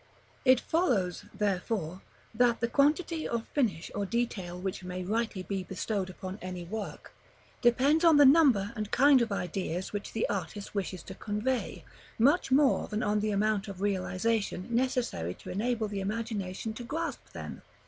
§ XXII. It follows, therefore, that the quantity of finish or detail which may rightly be bestowed upon any work, depends on the number and kind of ideas which the artist wishes to convey, much more than on the amount of realization necessary to enable the imagination to grasp them.